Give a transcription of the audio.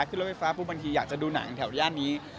ขึ้นรถไฟฟ้าปุ๊บบางทีอยากจะดูหนังแถวย่านนี้